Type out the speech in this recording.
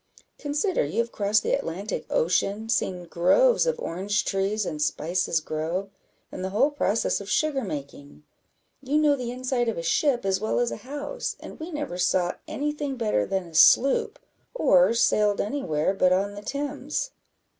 Consider, you have crossed the Atlantic Ocean, seen groves of orange trees and spices grow, and the whole process of sugar making. You know the inside of a ship as well as a house, and we never saw any thing better than a sloop, or sailed any where but on the Thames."